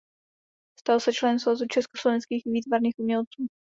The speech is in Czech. Stal se členem Svazu československých výtvarných umělců.